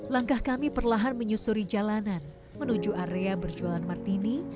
langkah kami perlahan menyusuri jalanan menuju area berjualan martini